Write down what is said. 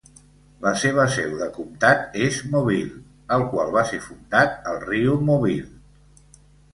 La seva seu de comtat és Mobile, el qual va ser fundat al riu Mobile.